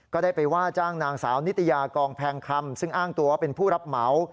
ก็ได้ไปว่าจ้างนางสาวนิตยากองแพงคำซึ่งอ้างตัวเป็นผู้รับเหมา